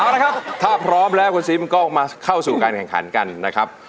เอาละครับถ้าพร้อมแล้วคุณซิมก็มาเข้าสู่การแข่งขันกันนะครับ